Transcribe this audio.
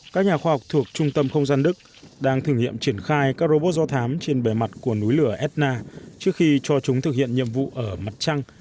các nhà khoa học thuộc trung tâm không gian đức đang thử nghiệm triển khai các robot do thám trên bề mặt của núi lửa edna trước khi cho chúng thực hiện nhiệm vụ ở mặt trăng